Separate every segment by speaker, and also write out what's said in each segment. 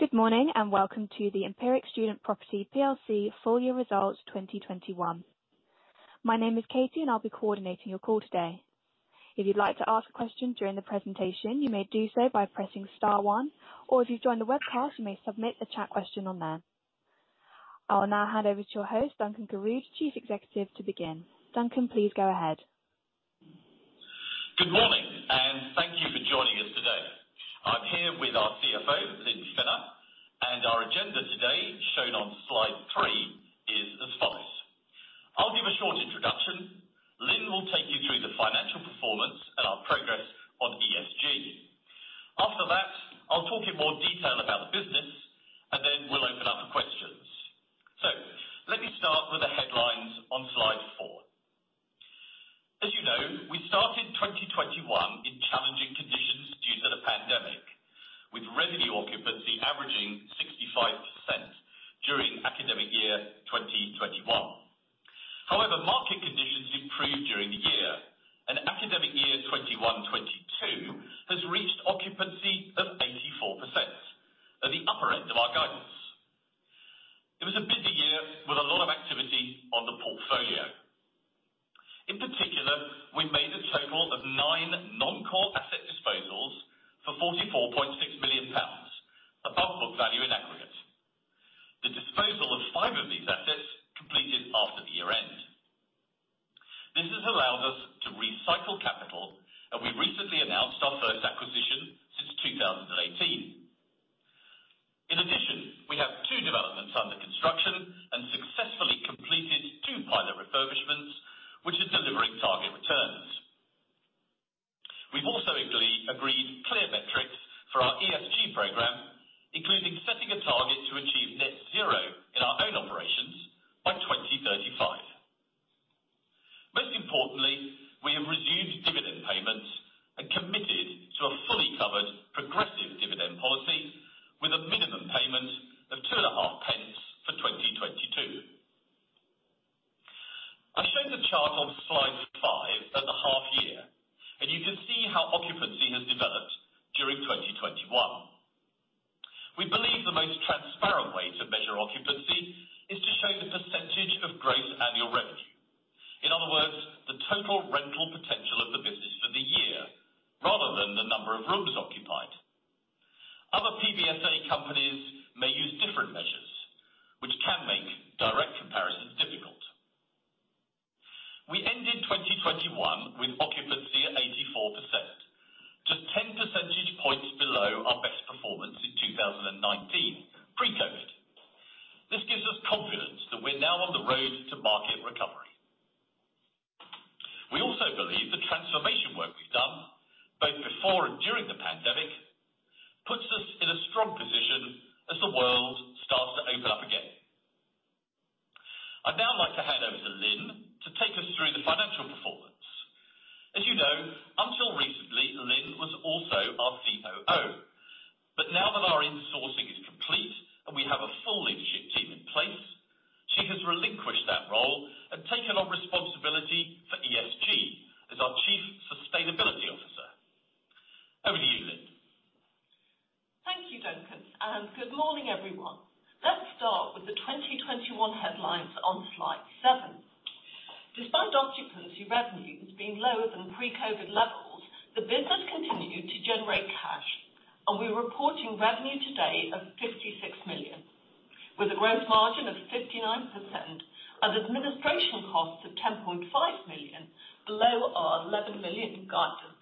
Speaker 1: Good morning, and welcome to the Empiric Student Property plc full year results 2021. My name is Katie, and I'll be coordinating your call today. If you'd like to ask a question during the presentation, you may do so by pressing star one, or if you've joined the webcast, you may submit the chat question on there. I will now hand over to your host, Duncan Garrood, Chief Executive, to begin. Duncan, please go ahead.
Speaker 2: Good morning, and thank you for joining us today. I'm here with our CFO, Lynne Fennah, and our agenda today, shown on slide three, is as follows: I'll give a short introduction. Lynne will take you through the financial performance and our progress on ESG. After that, I'll talk in more detail about the business, and then we'll open up for questions. Let me start with the headlines on slide four. As you know, we started 2021 in challenging conditions due to the pandemic, with revenue occupancy averaging 65% during academic year 2021. However, market conditions improved during the year. Academic year 2021-2022 has reached occupancy of 84%, at the upper end of our guidance. It was a busy year with a lot of activity on the portfolio. In particular, we made a total of nine non-core asset disposals for 44.6 million pounds above book value in aggregate. The disposal of five of these assets completed after the year-end. This has allowed us to recycle capital, and we recently announced our first acquisition since 2018. In addition, we have two developments under construction and successfully completed two pilot refurbishments, which is delivering target returns. We've also agreed clear metrics for our ESG program, including setting a target to achieve net zero in our own operations by 2035. Most importantly, we have resumed dividend payments and committed to a fully covered progressive dividend policy with a minimum payment of 0.025 for 2022. I showed a chart on slide five at the half year, and you can see how occupancy has developed during 2021. We believe the most transparent way to measure occupancy is to show the percentage of gross annual revenue. In other words, the total rental potential of the business for the year rather than the number of rooms occupied. Other PBSA companies may use different measures, which can make direct comparisons difficult. We ended 2021 with occupancy at 84%, just 10 percentage points below our best performance in 2019, pre-COVID. This gives us confidence that we're now on the road to market recovery. We also believe the transformation work we've done, both before and during the pandemic, puts us in a strong position as the world starts to open up again. I'd now like to hand over to Lynne to take us through the financial performance. As you know, until recently, Lynne was also our COO. But now that our insourcing is complete and we have a full leadership team in place, she has relinquished that role and taken on responsibility for ESG as our Chief Sustainability Officer. Over to you, Lynne.
Speaker 3: Thank you, Duncan, and good morning, everyone. Let's start with the 2021 headlines on slide seven. Despite occupancy revenues being lower than pre-COVID levels, the business continued to generate cash. We're reporting revenue today of 56 million, with a gross margin of 59% and administration costs of 10.5 million below our 11 million guidance.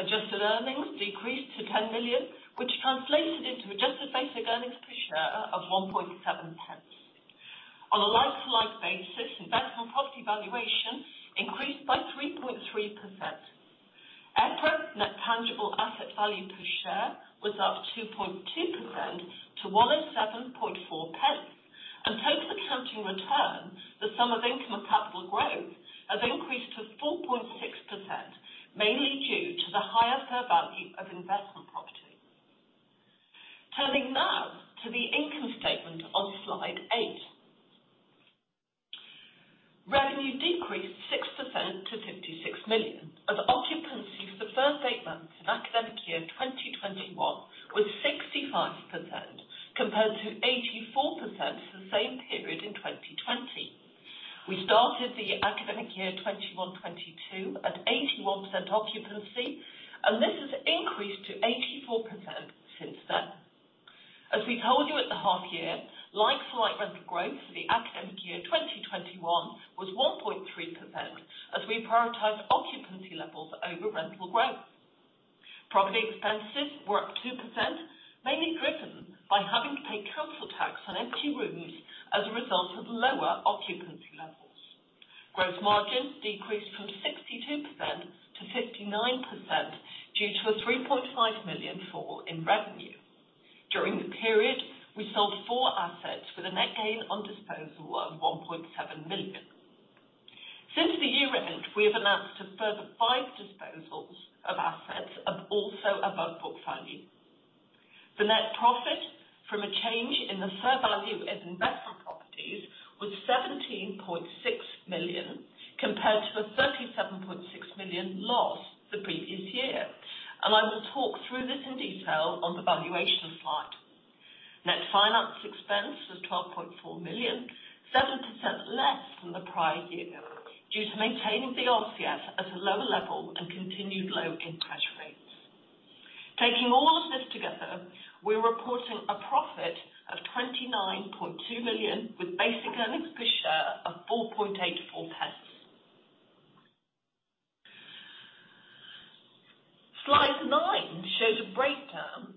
Speaker 3: Adjusted earnings decreased to 10 million, which translated into adjusted basic earnings per share of 0.017. On a like-for-like basis, investment property valuation increased by 3.3%. EPRA net tangible asset value per share was up 2.2% to 1.074. The accounting return the sum of income and capital growth has increased to 4.6%, mainly due to the higher fair value of investment property. Turning now to the income statement on slide eight. Revenue decreased 6% to 56 million, and occupancy for the first eight months in academic year 2021 was 65% compared to 84% for the same period in 2020. We started the academic year 2021-2022 at 81% occupancy, and this has increased to 84% since then. As we told you at the half year, like for like rental growth for the academic year 2021 was 1.3% as we prioritized occupancy levels over rental growth. Property expenses were up 2%, mainly driven by having to pay council tax on empty rooms as a result of lower occupancy levels. Gross margins decreased from 62%-59% due to a 3.5 million fall in revenue. During the period, we sold four assets with a net gain on disposal of 1.7 million. Since the year ended, we have announced a further five disposals of assets also above book value. The net profit from a change in the fair value of investment property was 17.6 million compared to the 37.6 million loss the previous year. I will talk through this in detail on the valuation slide. Net finance expense was 12.4 million, 7% less than the prior year due to maintaining the RCF at a lower level and continued low interest rates. Taking all of this together, we're reporting a profit of 29.2 million with basic earnings per share of 0.0484. Slide nine shows a breakdown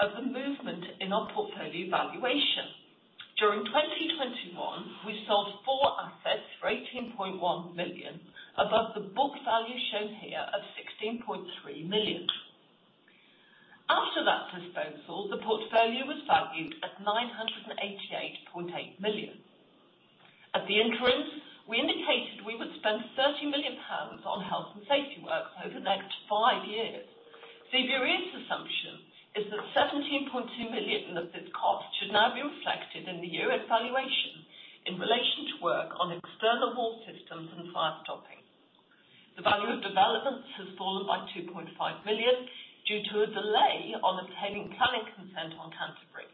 Speaker 3: of the movement in our portfolio valuation. During 2021, we sold four assets for 18.1 million above the book value shown here of 16.3 million. After that disposal, the portfolio was valued at 988.8 million. At the interim, we indicated we would spend 30 million pounds on health and safety work over the next five years. CBRE's assumption is that 17.2 million of this cost should now be reflected in the year-end valuation in relation to work on external wall systems and fire stopping. The value of developments has fallen by 2.5 million due to a delay on obtaining planning consent on Canterbury.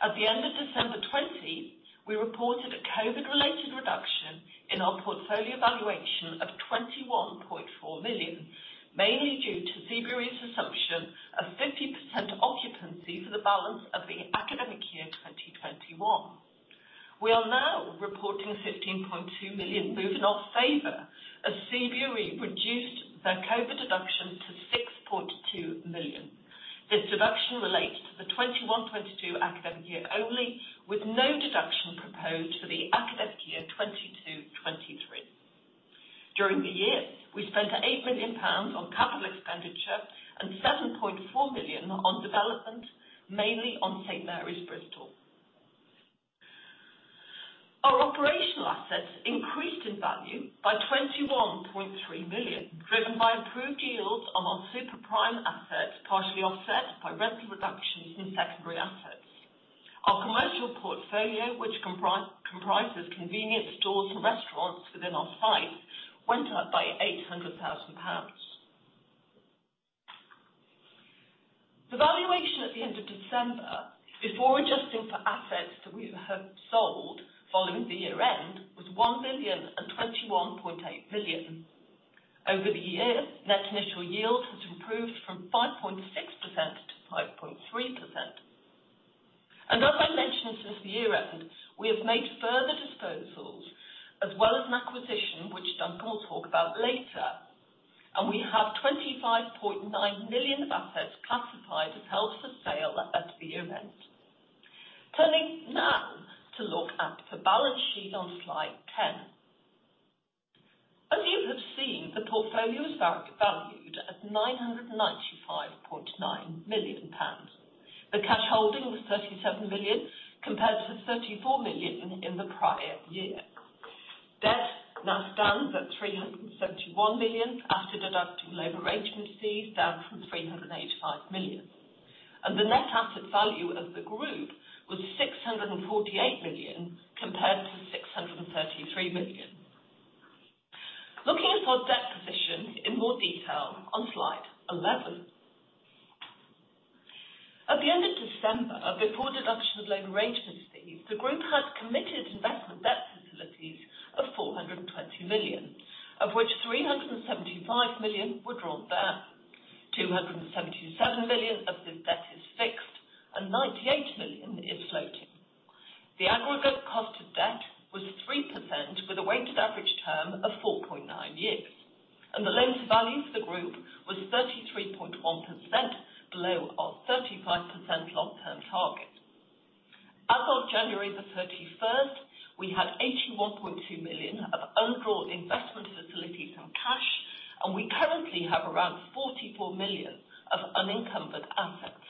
Speaker 3: At the end of December 2020, we reported a COVID-related reduction in our portfolio valuation of 21.4 million, mainly due to CBRE's assumption of 50% occupancy for the balance of the academic year 2021. We are now reporting a 15.2 million move in our favor as CBRE reduced their COVID deduction to 6.2 million. This deduction relates to the 2021-22 academic year only, with no deduction proposed for the academic year 2022-2023. During the year, we spent 8 million pounds on capital expenditure and 7.4 million on development, mainly on St. Mary's Bristol. Our operational assets increased in value by 21.3 million, driven by improved yields on our super prime assets, partially offset by rental reductions in secondary assets. Our commercial portfolio, which comprises convenience stores and restaurants within our sites, went up by 800,000 pounds. The valuation at the end of December, before adjusting for assets that we have sold following the year-end, was 1,021.8 million. Over the year, net initial yield has improved from 5.6%-5.3%. As I mentioned, since the year-end, we have made further disposals as well as an acquisition, which Duncan will talk about later. We have 25.9 million of assets classified as held for sale at the year-end. Turning now to look at the balance sheet on slide 10. As you have seen, the portfolio is valued at 995.9 million pounds. The cash holding was 37 million, compared to 34 million in the prior year. Debt now stands at 371 million after deducting loan arrangement fees, down from 385 million. The net asset value of the group was 648 million compared to 633 million. Looking at our debt position in more detail on slide 11. At the end of December, before deduction of loan arrangement fees, the group had committed investment debt facilities of 420 million, of which 375 million were drawn down. 277 million of this debt is fixed and 98 million is floating. The aggregate cost of debt was 3% with a weighted average term of 4.9 years, and the loan-to-value for the group was 33.1% below our 35% long-term target. As of January 31st, we had 81.2 million of undrawn investment facilities and cash, and we currently have around 44 million of unencumbered assets.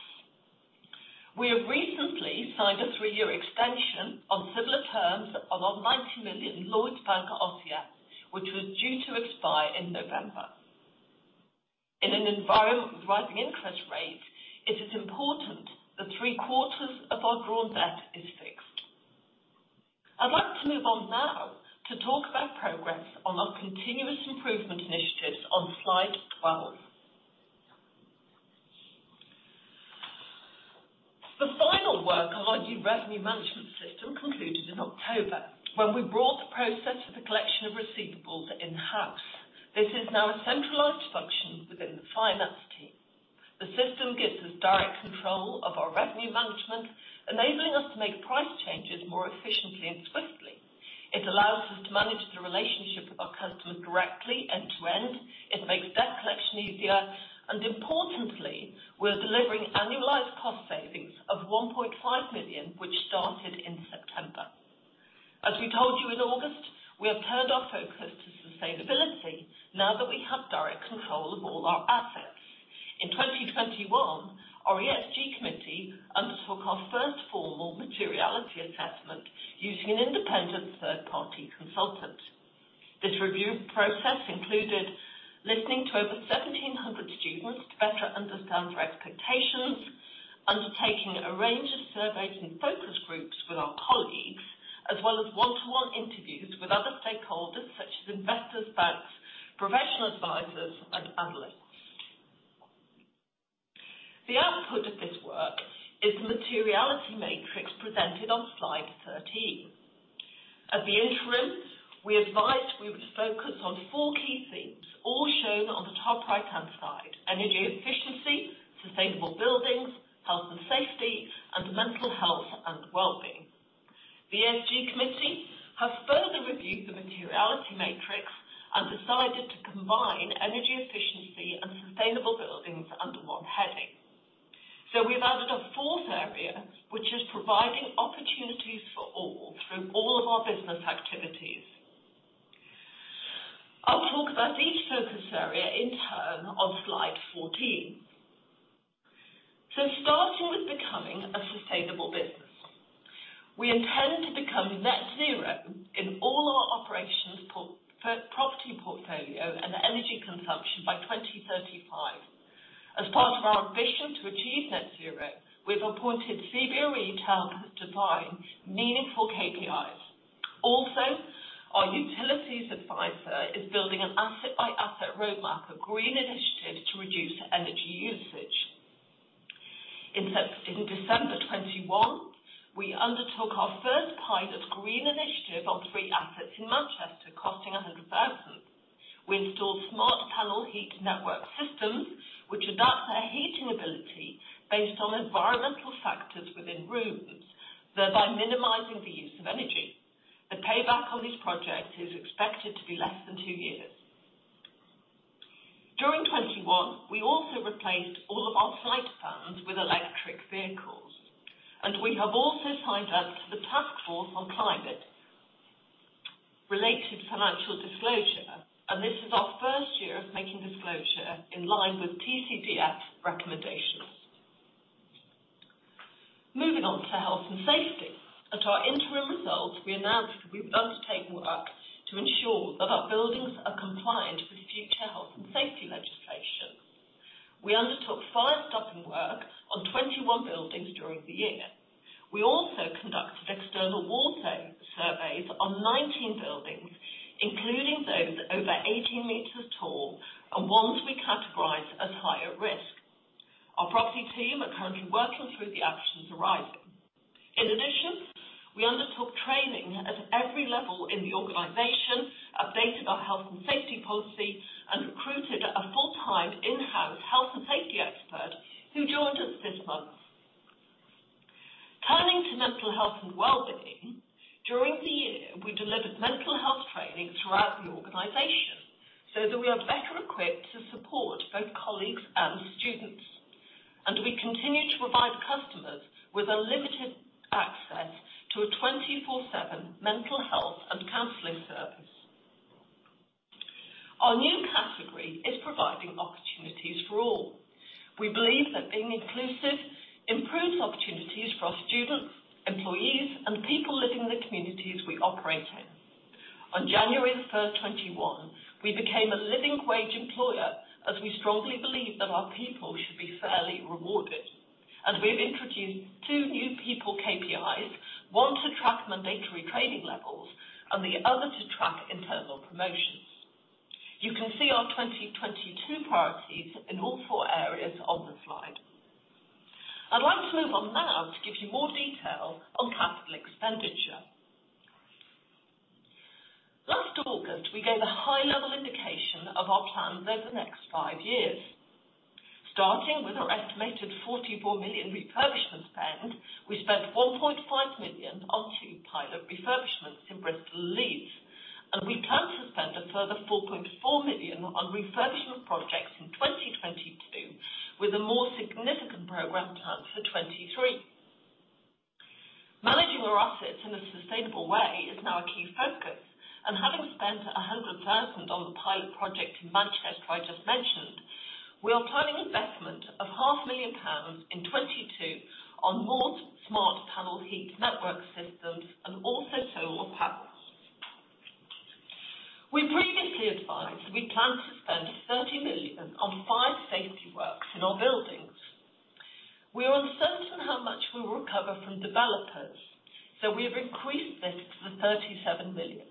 Speaker 3: We have recently signed a three-year extension on similar terms of our 90 million Lloyds Bank RCF, which was due to expire in November. In an environment of rising interest rates, it is important that three-quarters of our drawn debt is fixed. I'd like to move on now to talk about progress on our continuous improvement initiatives on slide 12. The final work on our new revenue management system concluded in October when we brought the process of the collection of receivables in-house. This is now a centralized function within the finance team. The system gives us direct control of our revenue management, enabling us to make price changes more efficiently and swiftly. It allows us to manage the relationship with our customers directly end to end. It makes debt collection easier, and importantly, we are delivering annualized cost savings of 1.5 million, which started in September. As we told you in August, we have turned our focus to sustainability now that we have direct control of all our assets. In 2021, our ESG committee undertook our first formal materiality assessment using an independent consultant. This review process included listening to over 1,700 students to better understand their expectations, undertaking a range of surveys and focus groups with our colleagues, as well as one-to-one interviews with other stakeholders such as investors, banks, professional advisors and analysts. The output of this work is the materiality matrix presented on slide 13. At the interim, we advised we would focus on four key themes, all shown on the top right-hand side, energy efficiency, sustainable buildings, health and safety, and mental health and wellbeing. The ESG committee have further reviewed the materiality matrix and decided to combine energy efficiency and sustainable buildings under one heading. We've added a fourth area, which is providing opportunities for all through all of our business activities. I'll talk about each focus area in turn on slide 14. Starting with becoming a sustainable business. We intend to become net zero in all our operations for property portfolio and energy consumption by 2035. As part of our ambition to achieve net zero, we've appointed CBRE to help define meaningful KPIs. Also, our utilities advisor is building an asset-by-asset roadmap of green initiatives to reduce energy usage. In December 2021, we undertook our first pilot green initiative on three assets in Manchester, costing 100,000. We installed smart panel heat network systems, which adapt their heating ability based on environmental factors within rooms, thereby minimizing the use of energy. The payback on this project is expected to be less than two years. During 2021, we also replaced all of our site vans with electric vehicles, and we have also signed up to the Task Force on Climate-related Financial Disclosures, and this is our first year of making disclosure in line with TCFD recommendations. Moving on to health and safety. At our interim results, we announced we would undertake work to ensure that our buildings are compliant with future health and safety legislation. We undertook fire stopping work on 21 buildings during the year. We also conducted external wall surveys on 19 buildings, including those over 18 meters tall and ones we categorize as higher risk. Our property team are currently working through the actions arising. In addition, we undertook training at every level in the organization, updated our health and safety policy, and recruited a full-time in-house health and safety expert who joined us this month. Turning to mental health and well-being. During the year, we delivered mental health training throughout the organization so that we are better equipped to support both colleagues and students. We continue to provide customers with unlimited access to a 24/7 mental health and counseling service. Our new category is providing opportunities for all. We believe that being inclusive improves opportunities for our students, employees, and people living in the communities we operate in. On January 1st, 2021, we became a living wage employer as we strongly believe that our people should be fairly rewarded. We've introduced two new people KPIs, one to track mandatory training levels and the other to track internal promotions. You can see our 2022 priorities in all four areas on the slide. I'd like to move on now to give you more detail on capital expenditure. Last August, we gave a high-level indication of our plans over the next five years. Starting with our estimated 44 million refurbishment spend, we spent 1.5 million on two pilot refurbishments in Bristol and Leeds, and we plan to spend a further 4.4 million on refurbishment projects in 2022, with a more significant program planned for 2023. Managing our assets in a sustainable way is now a key focus. Having spent 100,000 on the pilot project in Manchester I just mentioned, we are planning investment of 500,000 pounds in 2022 on more smart panel heat network systems and also solar panels. We previously advised we plan to spend 30 million on fire safety works in our buildings. We're uncertain how much we will recover from developers, so we have increased this to the 37 million.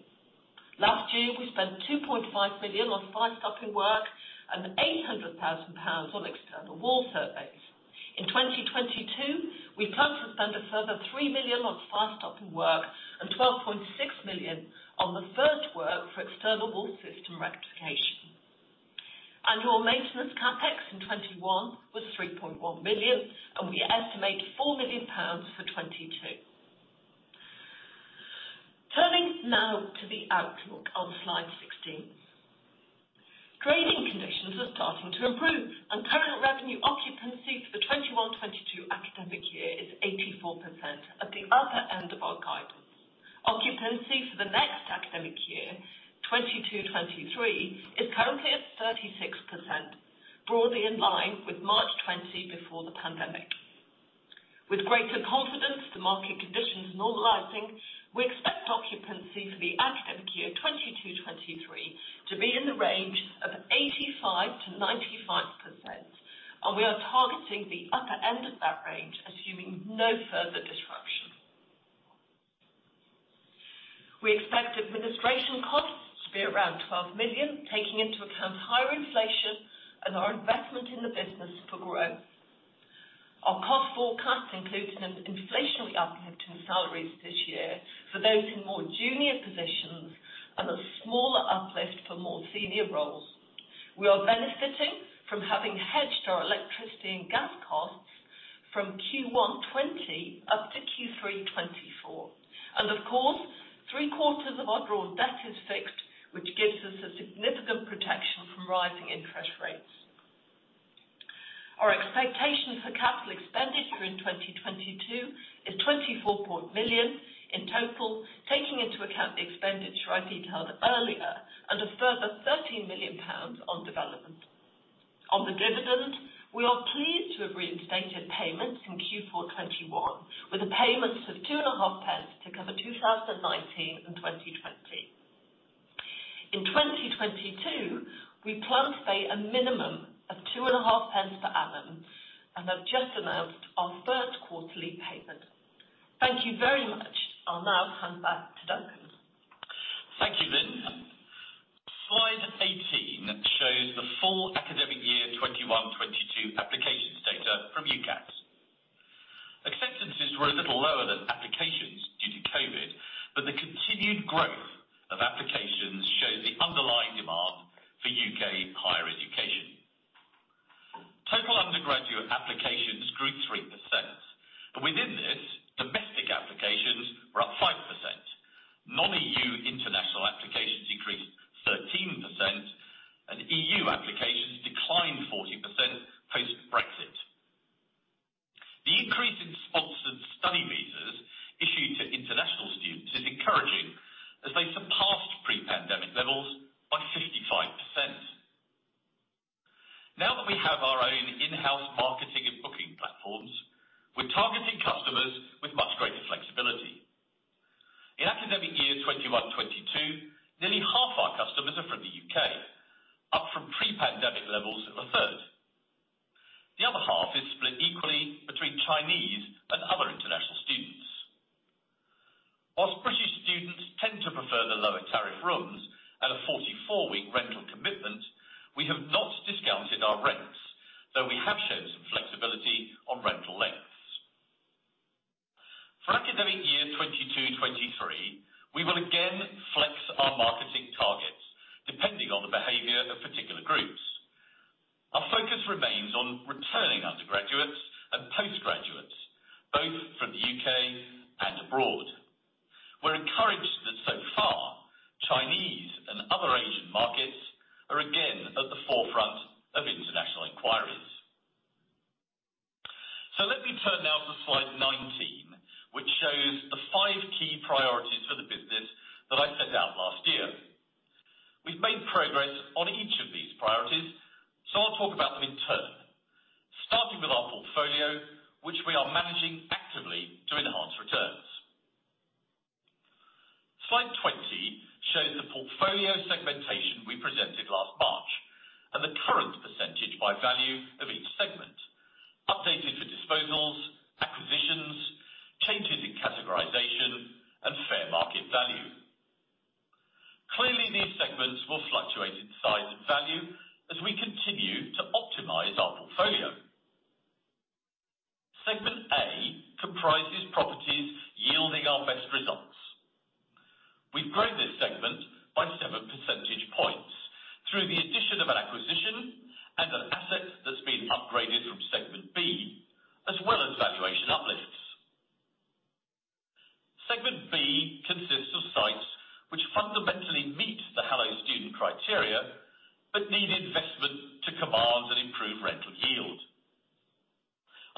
Speaker 3: Last year, we spent 2.5 million on fire stopping work and 800,000 pounds on external wall surveys. In 2022, we plan to spend a further 3 million on fire stopping work and 12.6 million on the fire work for external wall system rectification. Annual maintenance CapEx in 2021 was 3.1 million, and we estimate 4 million pounds for 2022. Turning now to the outlook on slide 16. Trading conditions are starting to improve and current revenue occupancy for the 2021-2022 academic year is 84%, at the upper end of our guidance. Occupancy for the next academic year, 2022-2023, is currently at 36%, broadly in line with March 2020 before the pandemic. With greater confidence, the market conditions normalizing, we expect occupancy for the academic year of 2022-2023 to be in the range of 85%-95%, and we are targeting the upper end of that range, assuming no further disruption. We expect administration costs to be around 12 million, taking into account higher inflation and our investment in the business for growth. Our cost forecast includes an inflationary uplift in salaries this year for those in more junior positions and a smaller uplift for more senior roles. We are benefiting from having hedged our electricity and gas costs from Q1 2020 up to Q3 2024. Of course, three-quarters of our debt is fixed, which gives us a significant protection from rising interest rates. Our expectations for capital expenditure in 2022 is 24 million in total, taking into account the expenditure I detailed earlier and a further 13 million pounds on development. On the dividend, we are pleased to have reinstated payments in Q4 2021, with the payments of 0.025 to cover 2019 and 2020. In 2022, we plan to pay a minimum of 0.025 per annum and have just announced our first quarterly payment. Thank you very much. I'll now hand back to Duncan.
Speaker 2: Thank you, Lynne. Slide 18 shows the full academic year 2021-2022 applications data from UCAS. Acceptances were a little lower than applications due to COVID, but the continued growth of applications shows the underlying demand for U.K. higher education. Total undergraduate applications grew 3%, but within this, domestic applications were up 5%. Non-EU international applications increased 13%, and EU applications declined 40% post-Brexit. The increase in sponsored study visas issued to international students is encouraging as they surpassed pre-pandemic levels by 55%. Now that we have our own in-house marketing and booking platforms, we're targeting customers with much greater flexibility. In academic year 2021-2022, nearly half our customers are from the U.K., up from pre-pandemic levels of a third. The other half is split equally between Chinese and other international students. As British students tend to prefer the lower tariff rooms at a 44-week rental commitment, we have not discounted our rents, though we have shown some flexibility on rental lengths. For academic year 2022-2023, we will again flex our marketing targets depending on the behavior of particular groups. Our focus remains on returning undergraduates and postgraduates, both from the U.K. and abroad. We're encouraged that so far, Chinese and other Asian markets are again at the forefront of international inquiries. Let me turn now to slide 19, which shows the five key priorities for the business that I set out last year. We've made progress on each of these priorities, so I'll talk about them in turn, starting with our portfolio, which we are managing actively to enhance returns. Slide 20 shows the portfolio segmentation we presented last March and the current % by value of each segment, updated for disposals, acquisitions, changes in categorization, and fair market value. Clearly, these segments will fluctuate in size and value as we continue to optimize our portfolio. Segment A comprises properties yielding our best results. We've grown this segment by seven percentage points through the addition of an acquisition and an asset that's been upgraded from segment B, as well as valuation uplifts. Segment B consists of sites which fundamentally meet the Hello Student criteria, but need investment to command an improved rental yield.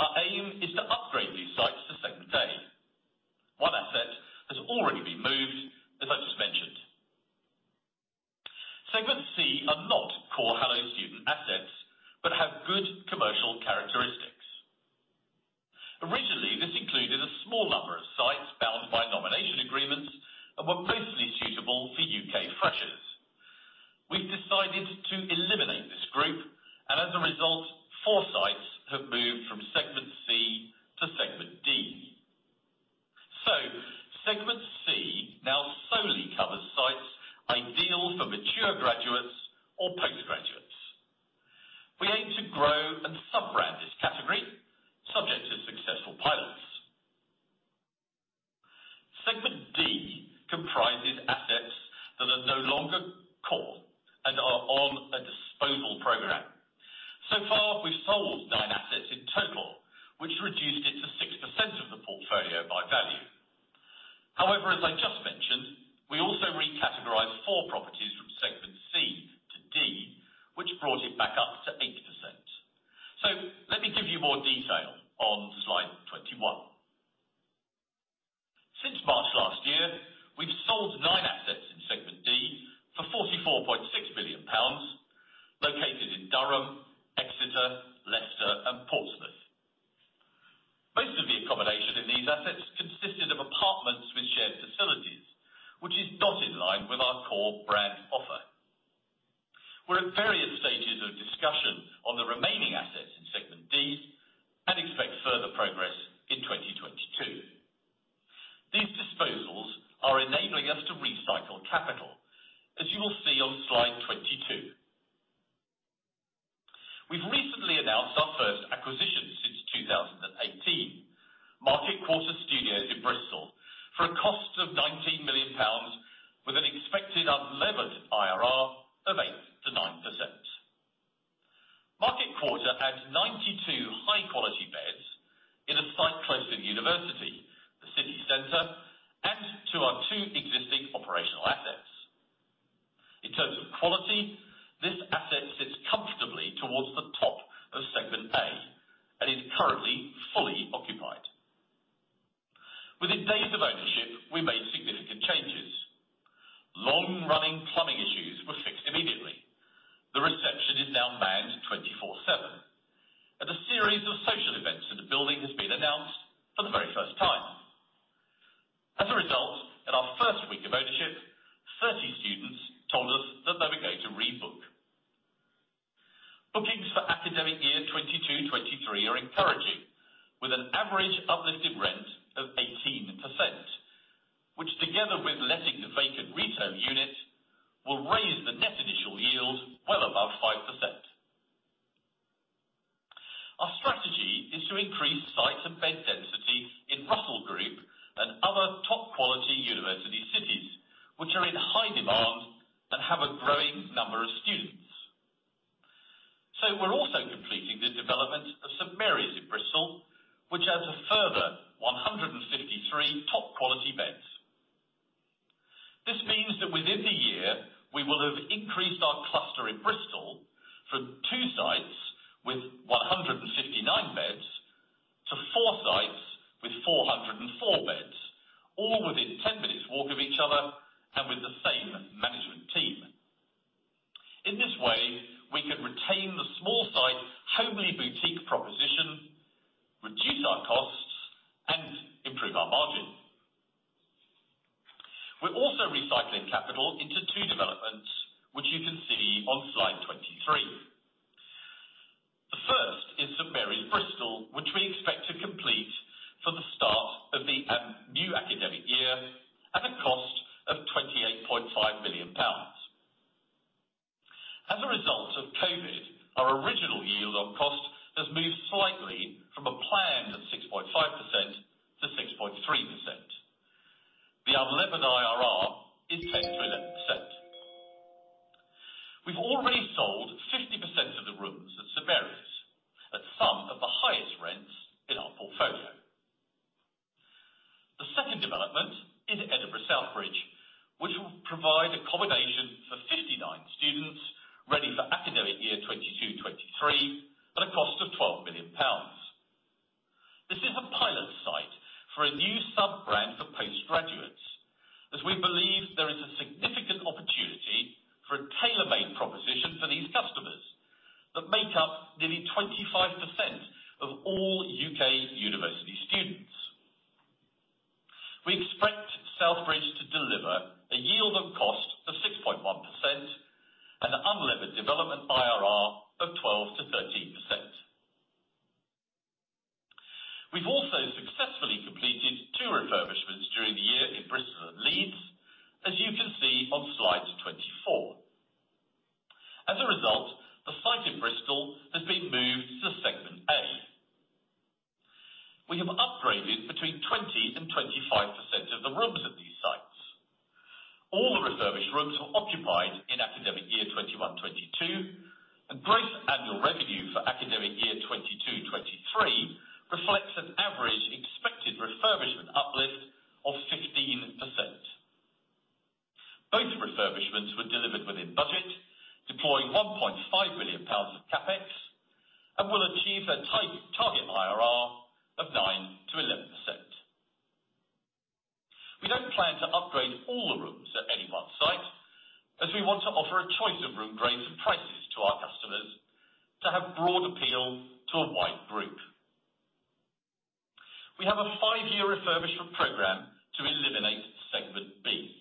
Speaker 2: Our aim is to upgrade these sites to segment A. One asset has already been moved, as I just mentioned. Segment C are not core Hello Student assets, but have good commercial characteristics. Originally, this included a small number of sites bound by nomination agreements and were mostly suitable for U.K. freshers. We've decided to eliminate this group, and as a result, four sites have moved from segment C to segment D. Segment C now solely covers sites ideal for mature graduates or postgraduates. We aim to grow and sub-brand this category subject to successful pilots. Segment D comprises assets that are no longer core and are on a disposal program. So far, we've sold nine assets in total, which reduced it to 6% of the portfolio by value. However, as I just mentioned, we also recategorized four properties from segment C to D, which brought it back up to 8%. Let me give you more detail on slide 21. Sold nine assets in Segment D for 44.6 million pounds located in Durham, Exeter, Leicester and Portsmouth. Most of the accommodation in these assets consisted of apartments with shared facilities, which is not in line with our core brand offer. We're at various stages of discussion on the remaining assets in Segment D and expect further progress in 2022. These disposals are enabling us to recycle capital, as you will see on slide 22. We've recently announced our first acquisition since 2018, Market Quarter Studios in Bristol, for a cost of 19 million pounds with an expected unlevered IRR of 8%-9%. Market Quarter adds 92 high-quality beds in a site close to the university, the city center, and to our two existing operational assets. In terms of quality, this asset sits comfortably towards the top of Segment A and is currently fully occupied. Within days of ownership, we made significant changes. Long-running plumbing issues were fixed immediately. The reception is now manned 24/7. A series of social events in the building has been announced for the very first time. As a result, in our first week of ownership, 30 students told us that they were going to rebook. Bookings for academic year 2022-2023 are encouraging with an average uplift in rent of 18%, which together with letting the vacant retail unit will raise the net initial yield well above 5%. Our strategy is to increase sites and bed density in Russell Group and other top-quality university cities which are in high demand and have a growing number of students. We're also completing the development of St Mary's in Bristol, which adds a further 153 top-quality beds. This means that within the year, we will have increased our cluster in Bristol from two sites with 159 beds to four sites with 404 beds, all within 10 minutes walk of each other and with the same management team. In this way, we can retain the small site homely boutique proposition, reduce our costs, and improve our margin. We're also recycling capital into two developments, which you can see on slide 23. The first is St Mary's, Bristol, which we expect to complete for the start of the new academic year at a cost of 28.5 million pounds. As a result of COVID, our original yield on cost has moved slightly from a plan of 6.5%-6.3%. The unlevered IRR is 10%-11%. We've already sold 50% of the rooms at St Mary's at some of the highest rents in our portfolio. The second development is Edinburgh Southbridge, which will provide accommodation for 59 students ready for academic year 2022-2023 at a cost of 12 million pounds. This is a pilot site for a new sub-brand for postgraduates, as we believe there is a significant opportunity for a tailor-made proposition for these customers that make up nearly 25% of all U.K. university students. We expect Southbridge to deliver a yield on cost of 6.1% and an unlevered development IRR of 12%-13%. We've also successfully completed two refurbishments during the year in Bristol and Leeds, as you can see on slide 24. As a result, the site in Bristol has been moved to Segment A. We have upgraded 20%-25% of the rooms at these sites. All the refurbished rooms were occupied in academic year 2021-2022, and gross annual revenue for academic year 2022-2023 reflects an average expected refurbishment uplift of 15%. Both refurbishments were delivered within budget, deploying 1.5 million pounds of CapEx and will achieve a target IRR of 9%-11%. We don't plan to upgrade all the rooms at any one site as we want to offer a choice of room grades and prices to our customers to have broad appeal to a wide group. We have a five-year refurbishment program to eliminate Segment B.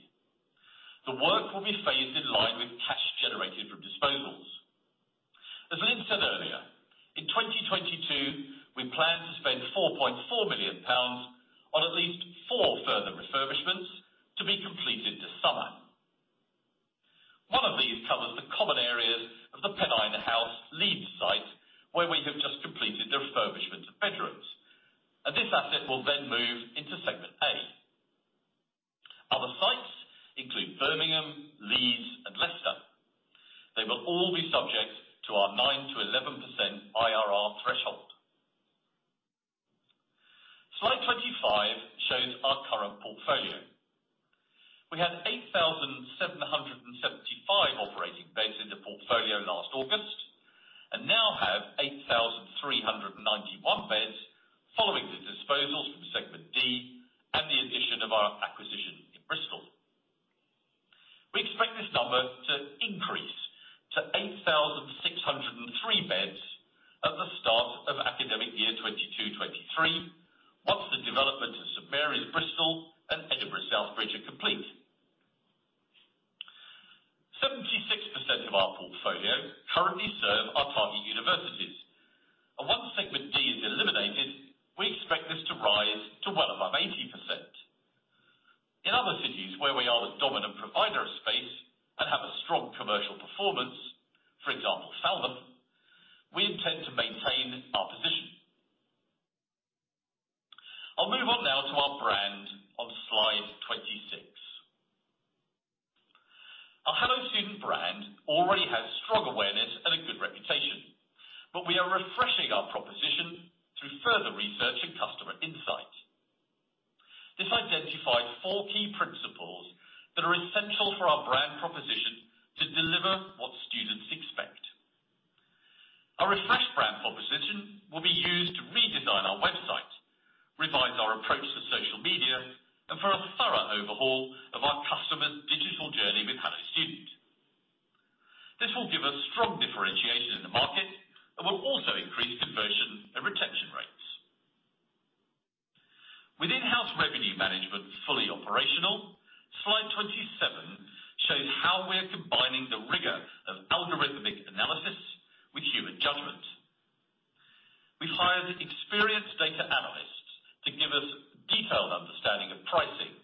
Speaker 2: The work will be phased in line with cash generated from disposals. As Lynne said earlier, in 2022, we plan to spend 4.4 million pounds on at least four further refurbishments to be completed this summer. One of these covers the common areas of the Pennine House Leeds site where we have just completed the refurbishment of bedrooms. This asset will then move into Segment A. Other sites include Birmingham, Leeds and Leicester. They will all be subject to our 9%-11% IRR threshold. Slide 25 shows our current portfolio. We had 8,775 operating beds in the portfolio last August after the disposals from Segment D and the addition of our acquisition in Bristol. We expect this number to increase to 8,603 beds at the start of academic year 2022/2023, once the development of Market Quarter Studios in Bristol and Edinburgh South Bridge are complete. 76% of our portfolio currently serve our target universities. Once Segment D is eliminated, we expect this to rise to well above 80%. In other cities where we are the dominant provider of space and have a strong commercial performance, for example, Falmouth, we intend to maintain our position. I'll move on now to our brand on slide 26. Our Hello Student brand already has strong awareness and a good reputation, but we are refreshing our proposition through further research and customer insights. This identifies four key principles that are essential for our brand proposition to deliver what students expect. Our refreshed brand proposition will be used to redesign our website, revise our approach to social media, and for a thorough overhaul of our customer's digital journey with Hello Student. This will give us strong differentiation in the market and will also increase conversion and retention rates. With in-house revenue management fully operational, slide 27 shows how we are combining the rigor of algorithmic analysis with human judgment. We hired experienced data analysts to give us detailed understanding of pricing,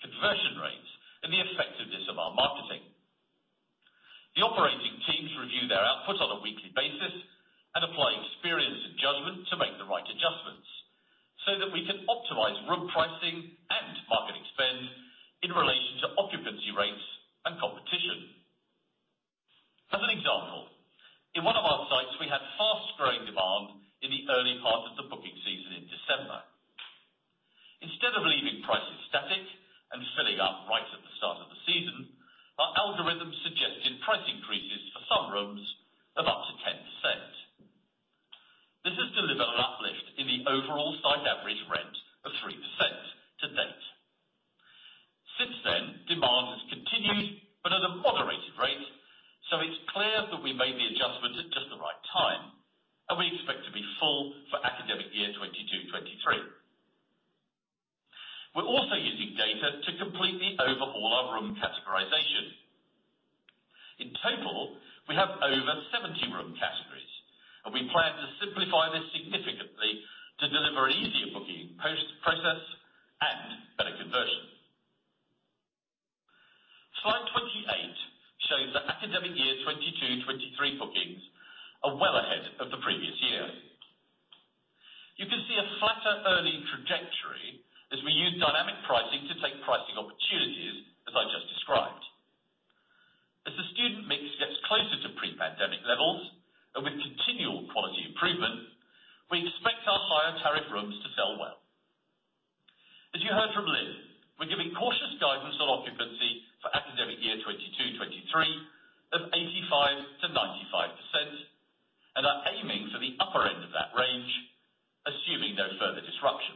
Speaker 2: conversion rates, and the effectiveness of our marketing. The operating teams review their output on a weekly basis and apply experience and judgment to make the right adjustments so that we can optimize room pricing and marketing spend in relation to occupancy rates and competition. As an example, in one of our sites, we had fast-growing demand in the early part of the booking season in December. Instead of leaving prices static and filling up right at the start of the season, our algorithm suggested price increases for some rooms of up to 10%. This has delivered an uplift in the overall site average rent of 3% to date. Since then, demand has continued, but at a moderated rate, so it's clear that we made the adjustments at just the right time, and we expect to be full for academic year 2022/2023. We're also using data to completely overhaul our room categorization. In total, we have over 70 room categories, and we plan to simplify this significantly to deliver an easier booking post-process and better conversion. Slide 28 shows that academic year 2022/2023 bookings are well ahead of the previous year. You can see a flatter early trajectory as we use dynamic pricing to take pricing opportunities, as I just described. As the student mix gets closer to pre-pandemic levels and with continual quality improvement, we expect our higher tariff rooms to sell well. As you heard from Lynne, we're giving cautious guidance on occupancy for academic year 2022/2023 of 85%-95% and are aiming for the upper end of that range, assuming no further disruption.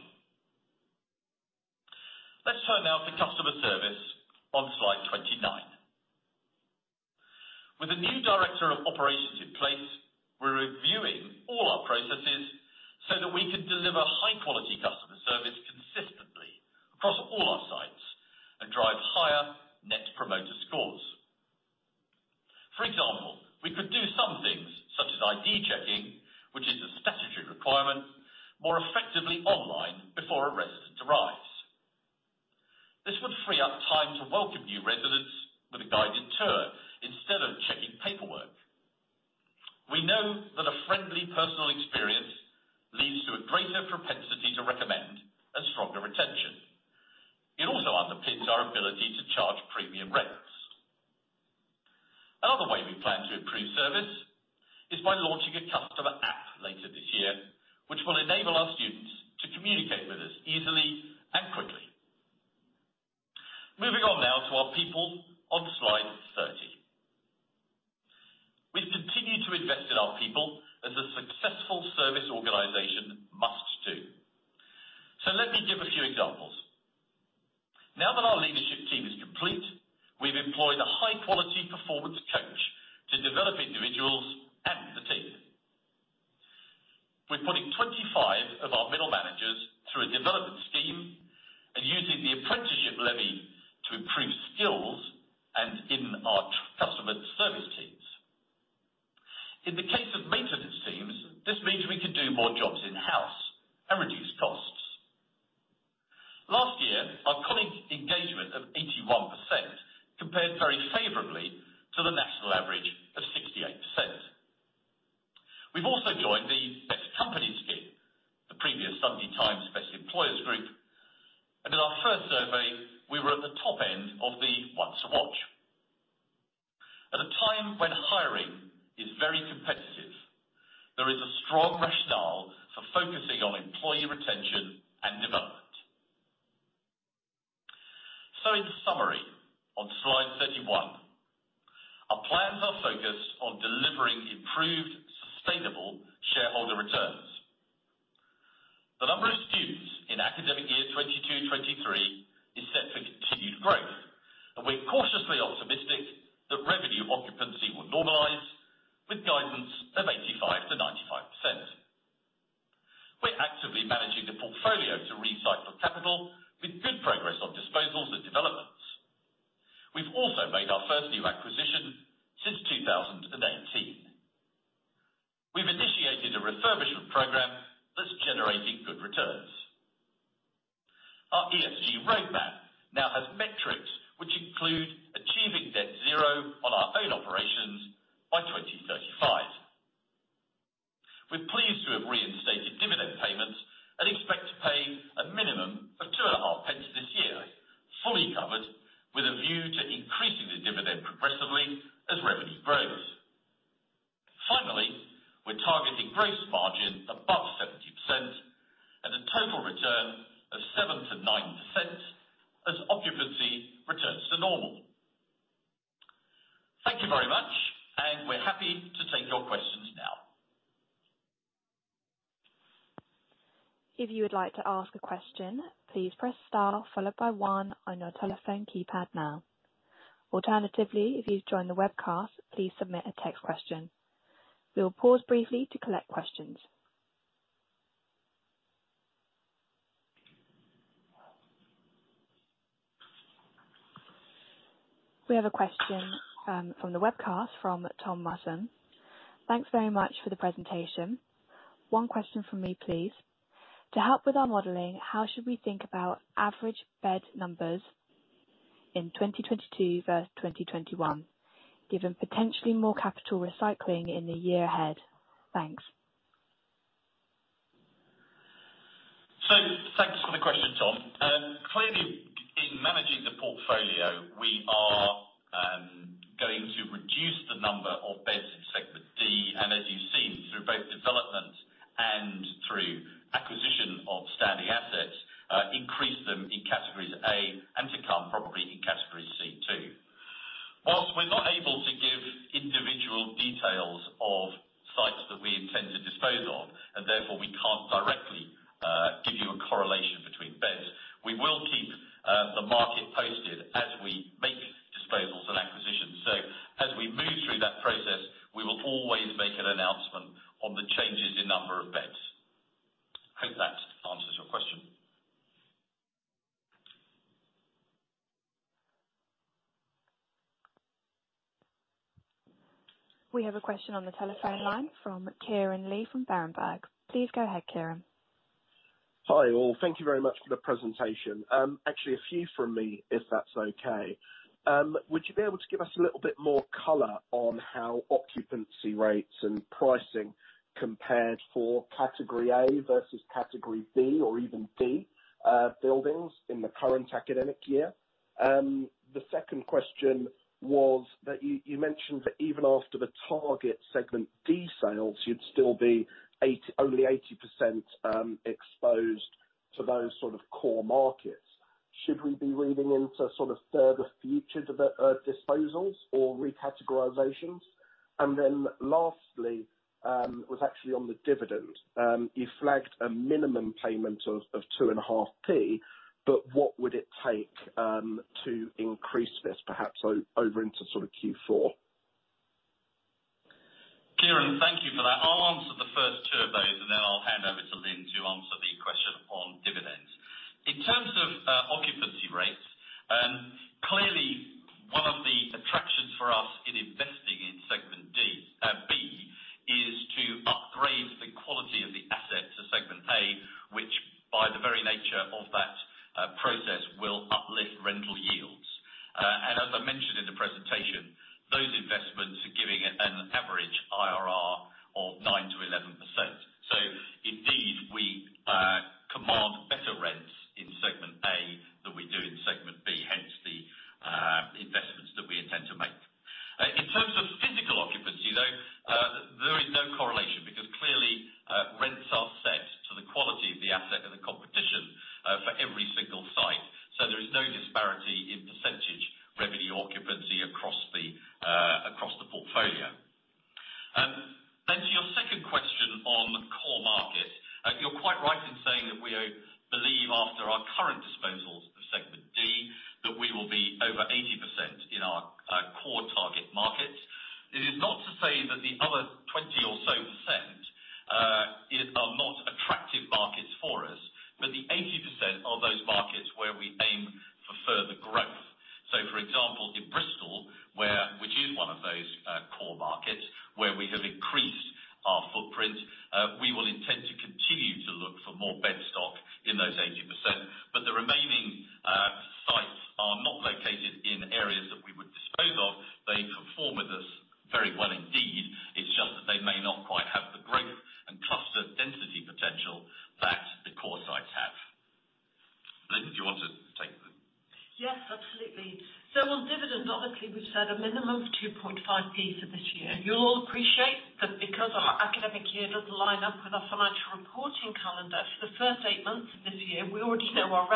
Speaker 2: Let's turn now to customer service on slide 29. With a new director of operations in place, we're reviewing all our processes so that we can deliver high-quality customer service consistently across all our sites and drive higher net promoter scores. For example, we could do some things such as ID checking, which is a statutory requirement, more effectively online before a resident arrives. This would free up time to welcome new residents with a guided tour instead of checking paperwork. We know that a friendly personal experience leads to a greater propensity to recommend and stronger retention. It also underpins our ability to charge premium rents. Another way we plan to improve service is by launching a customer app later this year, which will enable our students to communicate with us easily and quickly. Moving on now to our people on slide 30. We've continued to invest in our people as a successful service organization must do. Let me give a few examples. Now that our leadership team is complete, we've employed a high-quality performance coach to develop individuals and the team. We're putting 25 of our middle managers through a development scheme and using the apprenticeship levy to improve skills and in our customer service teams. In the case of maintenance teams, this means we can do more jobs in-house and reduce costs. Last year, our colleague engagement of 81% compared very favorably to the national average of 68%. We've also joined the Best Companies here, the previous Sunday Times Best Employers group, and in our first survey, we were at the top end of the ones to watch. At a time when hiring is very competitive, there is a strong rationale for focusing on employee retention. In summary, on slide 31, our plans are focused on delivering improved, sustainable shareholder returns. The number of students in academic year 2022/2023 is set for continued growth, and we're cautiously optimistic that revenue occupancy will normalize with guidance of 85%-95%. We're actively managing the portfolio to recycle capital with good progress on disposals and developments. We've also made our first new acquisition since 2018. We've initiated a refurbishment program that's generating good returns. Our ESG roadmap now has metrics which include achieving net zero on our own operations by 2035. We're pleased to have reinstated dividend payments and expect to pay a minimum of 0.025 this year, fully covered with a view to increasing the dividend progressively as revenue grows. We're targeting gross margin above 70% and a total return of 7%-9% as occupancy returns to normal. Thank you very much, and we're happy to take your questions now.
Speaker 1: If you would like to ask a question, please press star followed by one on your telephone keypad now. Alternatively, if you've joined the webcast, please submit a text question. We will pause briefly to collect questions. We have a question from the webcast from Tom Russon. Thanks very much for the presentation. One question from me, please. To help with our modeling, how should we think about average bed numbers in 2022 versus 2021, given potentially more capital recycling in the year ahead? Thanks.
Speaker 2: Thanks for the question, Tom. Clearly in managing the portfolio, we are going to reduce the number of beds in segment D, and as you've seen through both developments and through acquisition of standing assets, increase them in categories A, and to come probably in category C too. While we're not able to give individual details of sites that we intend to dispose of, and therefore we can't directly give you a correlation between beds, we will keep the market posted as we make disposals and acquisitions. As we move through that process, we will always make an announcement on the changes in number of beds. Hope that answers your question.
Speaker 1: We have a question on the telephone line from Kieran Lee from Berenberg. Please go ahead, Kieran.
Speaker 4: Hi, all. Thank you very much for the presentation. Actually a few from me, if that's okay. Would you be able to give us a little bit more color on how occupancy rates and pricing compared for category A versus category B or even D buildings in the current academic year? The second question was that you mentioned that even after the target segment D sales, you'd still be only 80% exposed to those sort of core markets. Should we be reading into sort of further future disposals or recategorizations? Then lastly, was actually on the dividend. You flagged a minimum payment of 0.025
Speaker 2: Kieran, thank you for that. I'll answer the first two of those and then I'll hand over to Lynne to answer the question on dividends. In terms of occupancy rates, clearly one of the attractions for us in investing in segment B is to upgrade the quality of the asset to segment A, which by the very nature of that process, will uplift rental yields. As I mentioned in the presentation, those investments are giving an average IRR of 9%-11%. Indeed, we command better rents in segment A than we do in segment B, hence the investments that we intend to make. In terms of physical occupancy, though, there is no correlation because clearly rents are set to the quality of the asset and the competition for every single site. There is no disparity in percentage revenue occupancy across the portfolio. Then to your second question on core markets, you're quite right in saying that we believe after our current disposals of segment D that we will be over 80% in our core target markets. It is not to say that the other 20% or so are not attractive markets for us, but the 80% are those markets where we aim for further growth. For example, in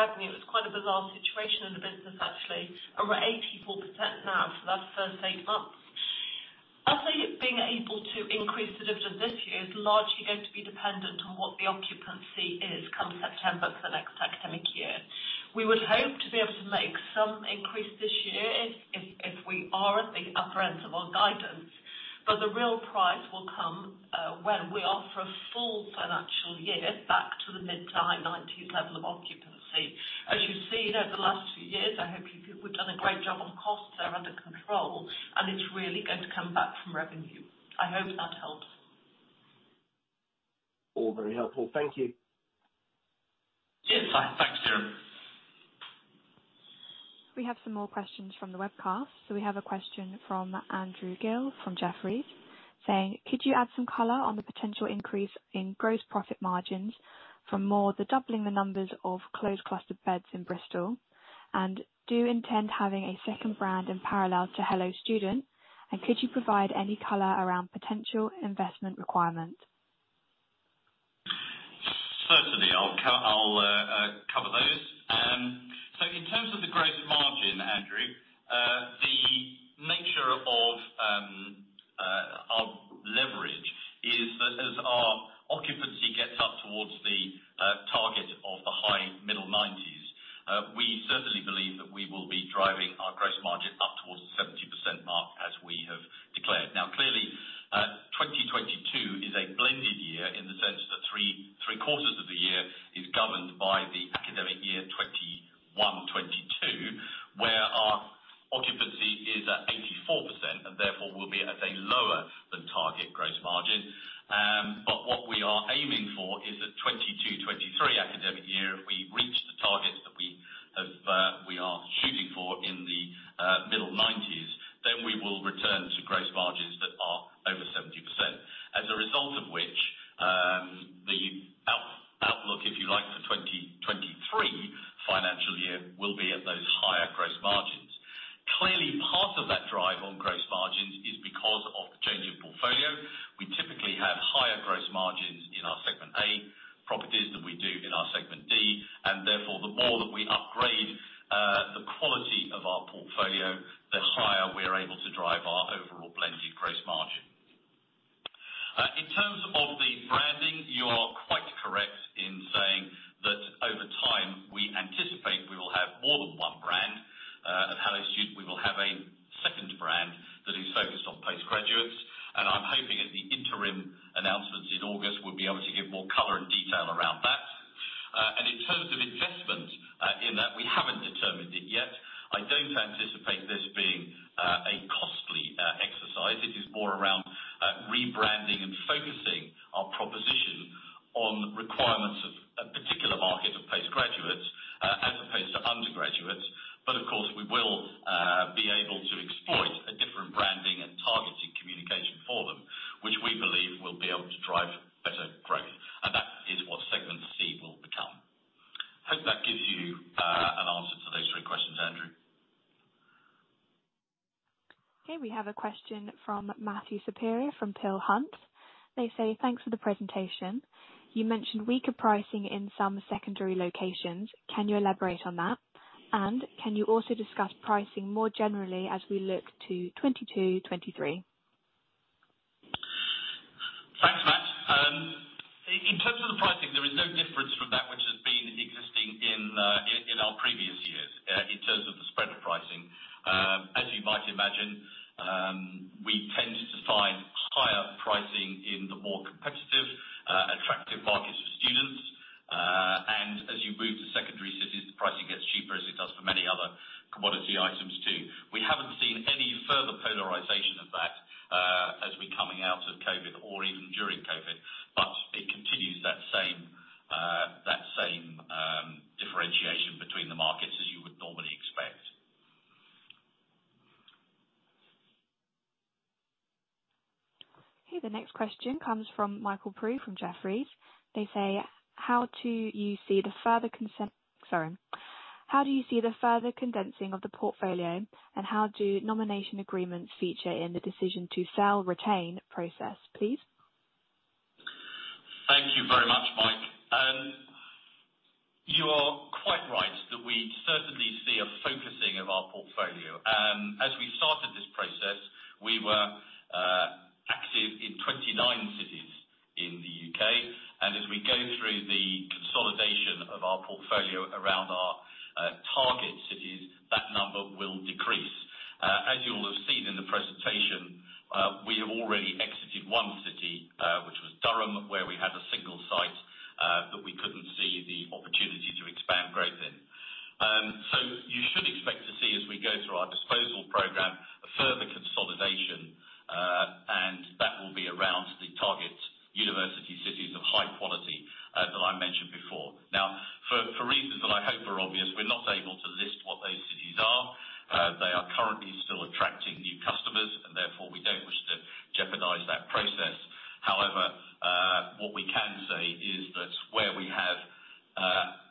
Speaker 2: Bristol, which is one of those core markets, where we have increased our footprint, we will intend to continue to look for more bed stock in those 80%. But the remaining sites are not located in areas that we would dispose of. They perform with us very well indeed. It's just that they may not quite have the growth and cluster density potential that the core sites have. Lynne, do you want to take the-
Speaker 3: Yes, absolutely. On dividends, obviously we've said a minimum of GBP 0.025 As you've seen over the last few years, I hope you feel we've done a great job on costs. They're under control and it's really going to come back from revenue. I hope that helps.
Speaker 4: All very helpful. Thank you.
Speaker 2: Yeah, thanks. Thanks, Kieran.
Speaker 1: We have some more questions from the webcast. We have a question from Andrew Gill from Jefferies saying: Could you add some color on the potential increase in gross profit margins from more than doubling the number of cluster beds in Bristol? And do you intend having a second brand in parallel to Hello Student? And could you provide any color around potential investment requirement?
Speaker 2: Certainly. I'll cover those. In terms of the gross margin, Andrew, the nature of our leverage is that as our occupancy gets up towards the target of the high-middle 90s, we certainly believe that we will be driving our gross margin up towards the 70% mark as we have declared. Now, clearly, 2022 is a blended year in the sense that three-quarters of the year is governed by the academic year 2021/2022 where our occupancy is at 84% and therefore will be at a lower than target gross margin. What we are aiming for is that 2022/2023 academic year, if we reach the targets that we have, we are shooting for in the mid-90s, then we will return to gross margins that are over 70%. As a result of which, the outlook, if you like, for 2023 financial year will be at those higher gross margins. Clearly, part of that drive on gross margins is because of the change in portfolio. We typically have higher gross margins in our segment A properties than we do in our segment D. Therefore, the more that we upgrade the quality of our portfolio, the higher we're able to drive our overall blended gross margin. In terms of the branding, you are quite correct in saying that over time, we anticipate we will have more than one brand. At Hello Student, we will have a second brand that is focused on postgraduates, and I'm higher pricing in the more competitive, attractive markets for students. As you move to secondary cities, the pricing gets cheaper as it does for many other commodity items too. We haven't seen any further polarization of that, as we're coming out of COVID or even during COVID, but it continues that same differentiation between the markets as you would normally expect.
Speaker 1: Okay. The next question comes from Michael Burt from Jefferies. They say: How do you see the further condensing of the portfolio, and how do nomination agreements feature in the decision to sell/retain process, please?
Speaker 2: Thank you very much, Mike. You are quite right that we certainly see a focusing of our portfolio. As we started this process, we were active in 29 cities in the U.K. As we go through the consolidation of our portfolio around our target cities, that number will decrease. As you'll have seen in the presentation, we have already exited one city, which was Durham, where we had a single site that we couldn't see the opportunity to expand growth in. You should expect to see as we go through our disposal program, a further consolidation, and that will be around the target university cities of high quality that I mentioned before. Now, for reasons that I hope are obvious, we're not able to list what those cities are. They are currently still attracting new customers and therefore we don't wish to jeopardize that process. However, what we can say is that where we have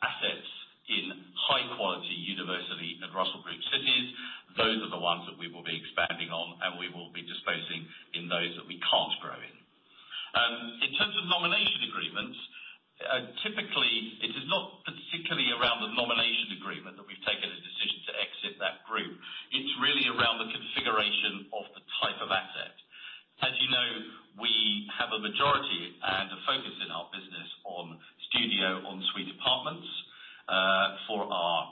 Speaker 2: assets in high quality university and Russell Group cities, those are the ones that we will be expanding on, and we will be disposing in those that we can't grow in. In terms of nomination agreements, typically, it is not particularly around the nomination agreement that we've taken a decision to exit that group. It's really around the configuration of the type of asset. As you know, we have a majority and a focus in our business on studio, en suite apartments, for our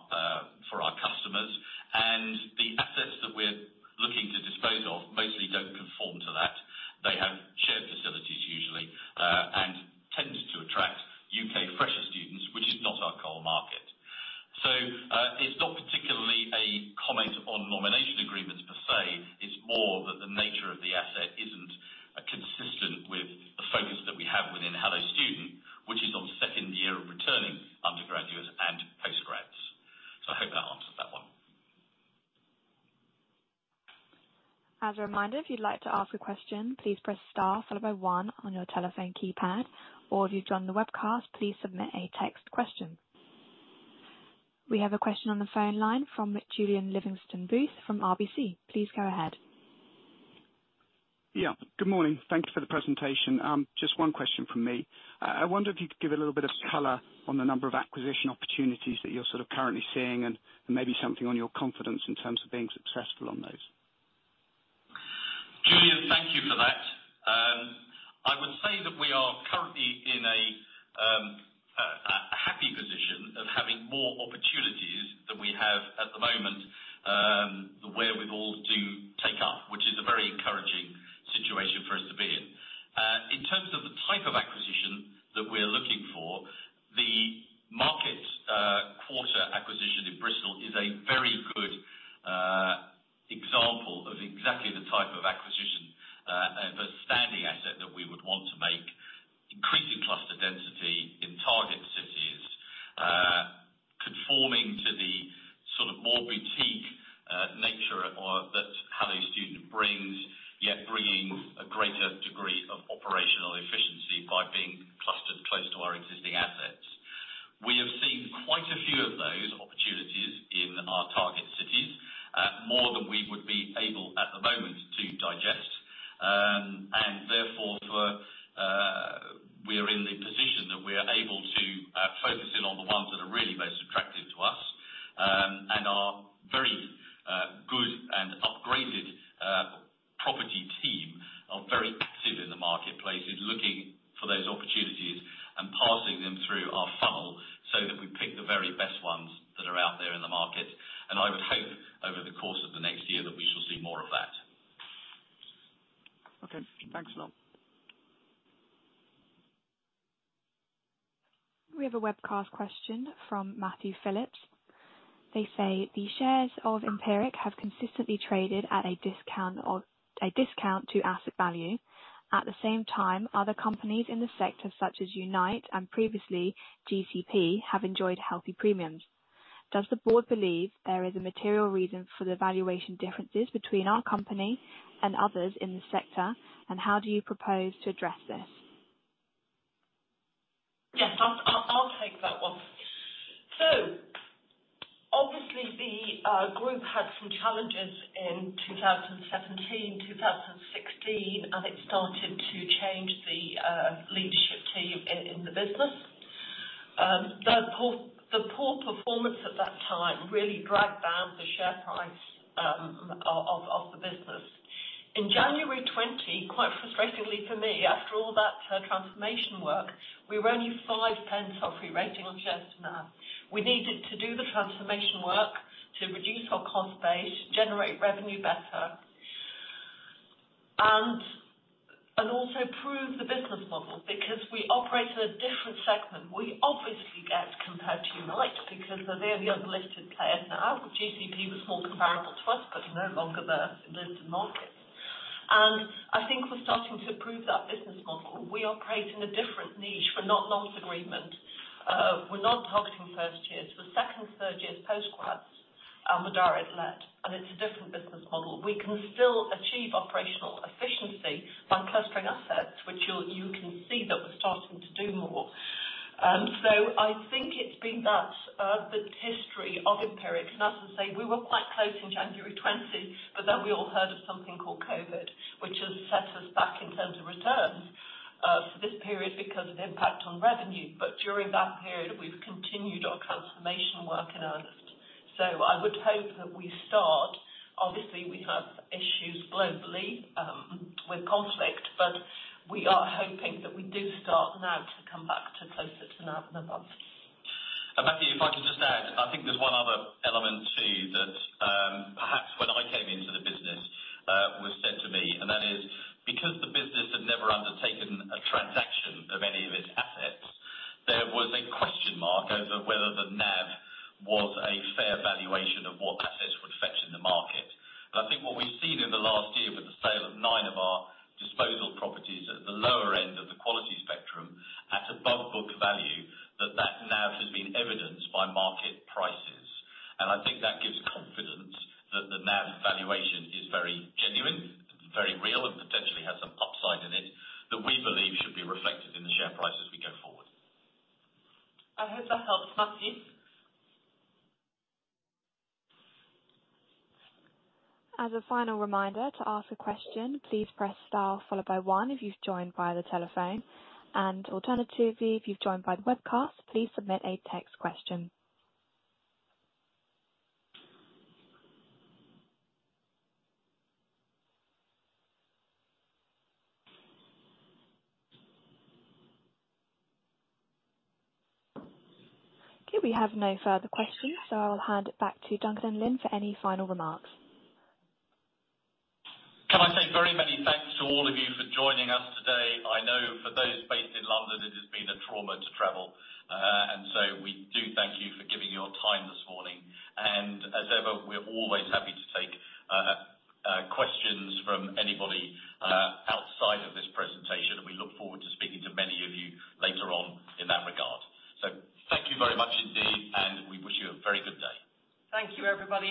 Speaker 2: Julian, thank you for that. I would say that we are currently in a happy position of having more opportunities than we have at the moment where we've all to take up, which is a very encouraging situation for us to be in. In terms of the type of acquisition that we're looking for, the Market Quarter acquisition in Bristol is a very good example of exactly the type of acquisition, a standing asset that we would want to make, increasing cluster density in target cities, conforming to the sort of more boutique nature of that Hello Student brings, yet bringing a greater degree of operational efficiency by being clustered close to our existing assets. We have seen quite a few of those opportunities in our target cities, more than we would be able at the moment to digest. Therefore we are in the position that we are able to focus in on the ones that are really most attractive to us, and our very good and upgraded property team are very active in the marketplace in looking for those opportunities and passing them through our funnel so that we pick the very best ones that are out there in the market. I would hope over the course of the next year that we shall see more of that.
Speaker 5: Okay, thanks a lot.
Speaker 1: We have a webcast question from Matthew Phillips. They say the shares of Empiric have consistently traded at a discount to asset value. At the same time, other companies in the sector, such as Unite and previously GCP, have enjoyed healthy premiums. Does the board believe there is a material reason for the valuation differences between our company and others in the sector, and how do you propose to address this?
Speaker 3: Yes, I'll take that one. Obviously the group had some challenges in 2017/2016, and it started to change the leadership team in the business. The poor performance at that time really dragged down the share price of the business. In January 2020, quite frustratingly for me, after all that transformation work, we were only 0.05 off your rating on shares now. We needed to do the transformation work to reduce our cost base, generate revenue better, and also prove the business model. Because we operate in a different segment, we obviously get compared to Unite because they're the only other listed player now. GCP was more comparable to us, but no longer there in listed markets. I think we're starting to prove that business model. We operate in a different niche. We're not long agreement. We're not targeting first years. We're second, third years postgrads are majority let, and it's a different business model. We can still achieve operational efficiency by clustering assets, which you can see that we're starting to do more. I think that's the history of Empiric, and as I say, we were quite close in January 2020, but then we all heard of something called COVID, which has set us back in terms of returns for this period because of the impact on revenue. During that period, we've continued our transformation work in earnest. I would hope that we start. Obviously, we have issues globally with conflict, but we are hoping that we do start now to come back closer to NAV in months.
Speaker 2: Matthew, if I can just add, I think there's one other element too that, perhaps when I came into the business, was said to me, and that is because the business had never undertaken a transaction of any of its assets, there was a question mark over whether the NAV was a fair valuation of what assets would fetch in the market. I think what we've seen in the last year with the sale of nine of our disposal properties at the lower end of the quality spectrum, at above book value, that NAV has been evidenced by market prices. I think that gives confidence that the NAV valuation is very genuine, very real, and potentially has some upside in it that we believe should be reflected in the share price as we go forward.
Speaker 3: I hope that helps, Matthew.
Speaker 1: As a final reminder to ask a question, please press star followed by one if you've joined via the telephone. Alternatively, if you've joined by the webcast, please submit a text question. Okay, we have no further questions, so I'll hand it back to Duncan and Lynne for any final remarks.
Speaker 2: Can I say very many thanks to all of you for joining us today. I know for those based in London, it has been a trauma to travel, and so we do thank you for giving your time this morning. As ever, we're always happy to take, questions from anybody, outside of this presentation. We look forward to speaking to many of you later on in that regard. Thank you very much indeed, and we wish you a very good day.
Speaker 3: Thank you, everybody.